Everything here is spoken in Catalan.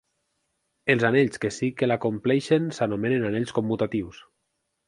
Els anells que sí que la compleixen s'anomenen anells commutatius.